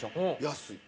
安い。